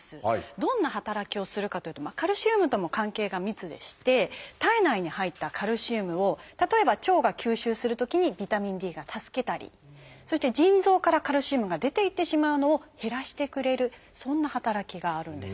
どんな働きをするかというとカルシウムとも関係が密でして体内に入ったカルシウムを例えば腸が吸収するときにビタミンＤが助けたりそして腎臓からカルシウムが出ていってしまうのを減らしてくれるそんな働きがあるんです。